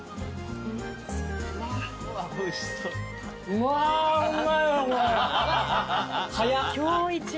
うわうまいわこれ。